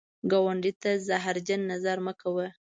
ګاونډي ته زهرجن نظر مه کوه